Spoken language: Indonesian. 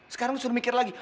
sekarang lo suruh mikir lagi